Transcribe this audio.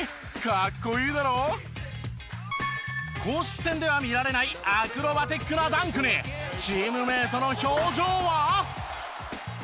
公式戦では見られないアクロバティックなダンクにチームメートの表情は。